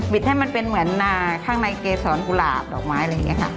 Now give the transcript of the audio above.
ให้มันเป็นเหมือนนาข้างในเกษรกุหลาบดอกไม้อะไรอย่างนี้ค่ะ